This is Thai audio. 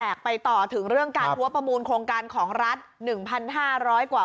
ไปต่อถึงเรื่องการหัวประมูลโครงการของรัฐ๑๕๐๐กว่า